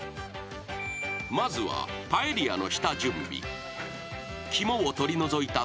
［まずはパエリアの下準備］